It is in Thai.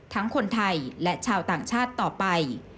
คนไทยและชาวต่างชาติต่อไป